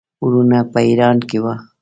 وروڼه په ایران کې وه.